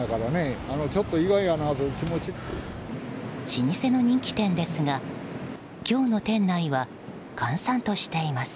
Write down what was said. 老舗の人気店ですが今日の店内は閑散としています。